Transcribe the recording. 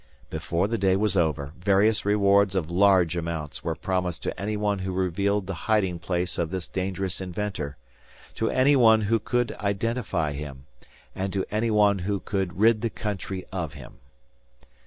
Before the day was over, various rewards of large amounts were promised to anyone who revealed the hiding place of this dangerous inventor, to anyone who could identify him, and to anyone who should rid the country of him.